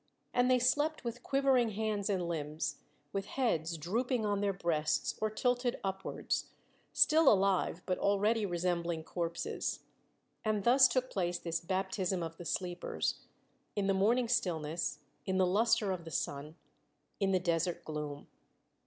And they slept with quivering hands and limbs, with heads drooping on their breasts or tilted upwards, still alive but already resembling corpses. And thus took place this baptism of the sleepers in the morning stillness, in the luster of the sun, in the desert gloom.